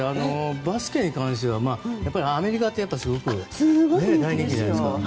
バスケに関してはアメリカってすごく大人気じゃないですか。